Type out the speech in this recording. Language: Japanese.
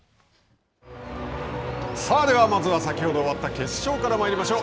さあではまずは先ほど終わった、決勝からまいりましょう。